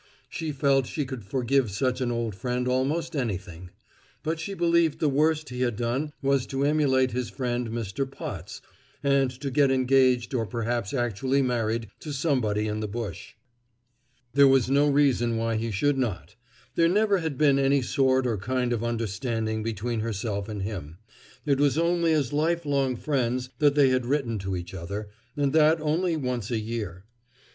She felt she could forgive such an old friend almost anything. But she believed the worst he had done was to emulate his friend Mr. Potts, and to get engaged or perhaps actually married to somebody in the bush. There was no reason why he should not; there never had been any sort or kind of understanding between herself and him; it was only as lifelong friends that they had written to each other, and that only once a year.